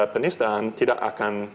penistaan tidak akan